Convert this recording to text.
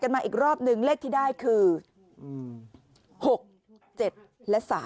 มาอีกรอบนึงเลขที่ได้คือ๖๗และ๓